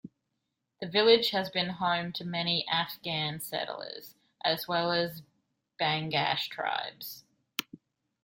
The village has been home to many Afghan settlers as well as Bangash tribes.